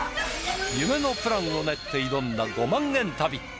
夢のプランを練って挑んだ５万円旅。